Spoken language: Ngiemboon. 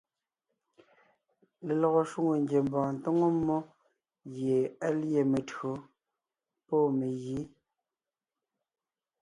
Lelɔgɔ shwòŋo ngiembɔɔn tóŋo mmó gie á lîe mentÿǒ pɔ́ megǐ.